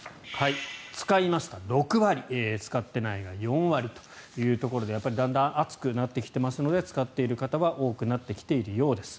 使いました、６割使ってないが４割ということでやっぱりだんだん暑くなってきていますので使っている方は多くなってきているようです。